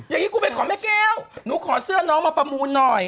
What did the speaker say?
อย่างนี้กูไปขอแม่แก้วหนูขอเสื้อน้องมาประมูลหน่อย